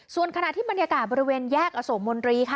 ส่วนขณะที่บรรยากาศบริเวณแยกอโศกมนตรีค่ะ